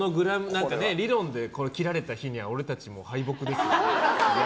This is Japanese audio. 理論で切られた日には俺たち、敗北ですよ。